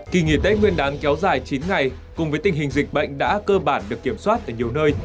kỳ nghỉ tết nguyên đán kéo dài chín ngày cùng với tình hình dịch bệnh đã cơ bản được kiểm soát ở nhiều nơi